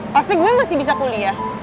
pasti gue masih bisa kuliah